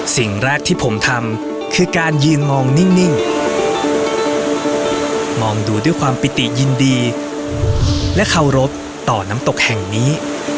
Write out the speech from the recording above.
สิ่งแรกที่ผมทำคือการยืนมองนิ่งมองดูด้วยความปิติยินดีและเคารพต่อน้ำตกแห่งนี้